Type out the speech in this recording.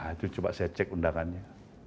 itu coba saya cek undangannya